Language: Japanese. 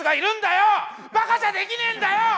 バカじゃできねえんだよ！